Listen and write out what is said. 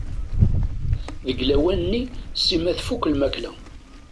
Deg lawan-nni Sima tfuk lmakla.